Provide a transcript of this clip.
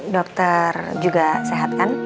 dokter juga sehat kan